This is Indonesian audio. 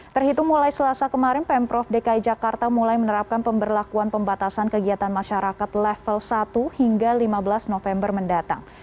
terhitung mulai selasa kemarin pemprov dki jakarta mulai menerapkan pemberlakuan pembatasan kegiatan masyarakat level satu hingga lima belas november mendatang